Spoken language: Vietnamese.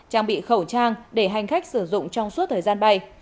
trang bị khẩu trang để hành khách sử dụng trong suốt thời gian bay